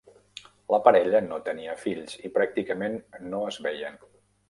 La parella no tenia fills, i pràcticament no es veien.